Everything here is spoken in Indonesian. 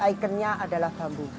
ikonnya adalah bambu